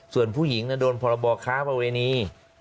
ส่วนผู้หญิงโดนพรบค้าประเวณี